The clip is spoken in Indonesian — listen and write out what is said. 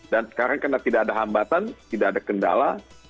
dan sekarang karena tidak ada hambatan tidak ada kendala